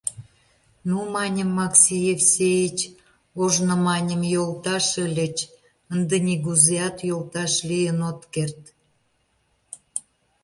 — Ну, маньым, Макси Евсеич, ожно, маньым, йолташ ыльыч, ынде нигузеат йолташ лийын от керт.